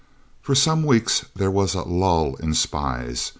For some weeks there was a "lull in spies."